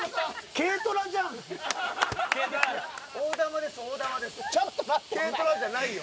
軽トラじゃないよ。